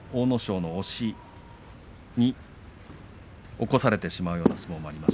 その押しに起こされてしまうような相撲もあります。